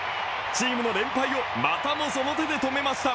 チームの連敗を、またもその手で止めました。